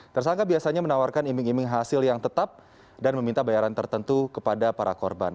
tersangka biasanya menawarkan iming iming hasil yang tetap dan meminta bayaran tertentu kepada para korban